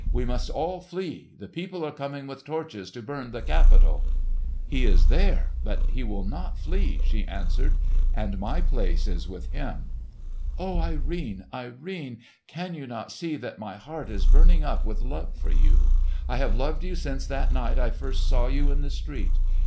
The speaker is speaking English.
"We must all flee! The people are coming with torches to burn the Capitol!" "He is there, but he will not flee," she answered; "and my place is with him." "Oh, Irene, Irene! Can you not see that my heart is burning up with love for you? I have loved you since that night I first saw you in the street.